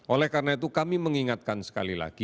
oleh karena itu kami mengingatkan sekali lagi